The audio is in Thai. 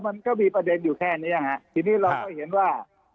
มันก็มีประเด็นอยู่แค่เนี้ยฮะทีนี้เราก็เห็นว่า